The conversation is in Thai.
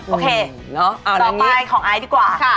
โอเคต่อไปของไอซ์ดีกว่า